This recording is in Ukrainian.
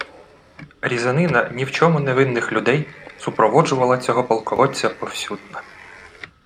Різанина ні в чому не винних людей супроводжувала цього «полководця» повсюдно